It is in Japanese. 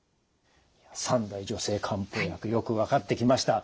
三大女性漢方薬よく分かってきました。